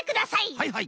はいはい。